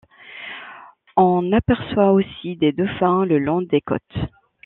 On aperçoit aussi des dauphins le long des côtes.